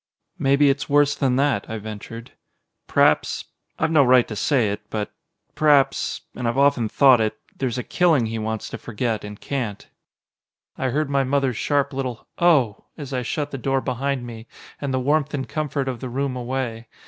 "Maybe it's worse than that," I ventured. "P'r'aps I've no right to say it but p'r'aps, and I've often thought it, there's a killing he wants to forget, and can't!" I heard my mother's sharp little "Oh!" as I shut the door behind me and the warmth and comfort of the room away.